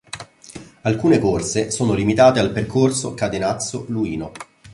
Alcune corse sono limitate al percorso Cadenazzo-Luino.